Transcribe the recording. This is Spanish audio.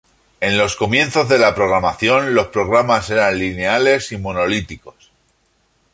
En los comienzos de la programación, los programas eran lineales y monolíticos.